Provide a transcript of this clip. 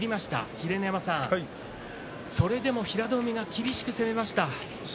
秀ノ山さん、それでも平戸海が厳しく攻めました。